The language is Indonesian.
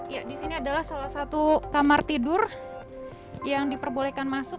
ya di sini adalah salah satu kamar tidur yang diperbolehkan masuk